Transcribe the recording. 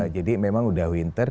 jadi memang udah winter